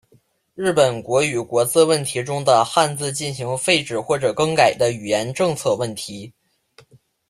日本国语国字问题中的汉字进行废止或者更改的语言政策问题。